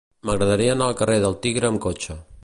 M'agradaria anar al carrer del Tigre amb cotxe.